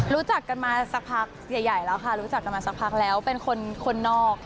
รู้จักกันมาสักพักใหญ่แล้วค่ะรู้จักกันมาสักพักแล้วเป็นคนนอก